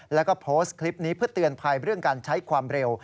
แล้วก็โพสต์คลิปนี้เพื่อเตือนภัยเรื่องการใช้ความเร็ว